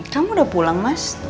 kamu udah pulang mas